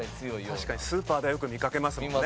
確かにスーパーでよく見かけますもんね。